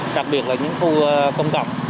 đặc biệt là những khu công cộng